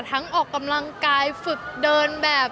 ออกกำลังกายฝึกเดินแบบ